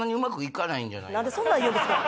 何でそんなん言うんですか！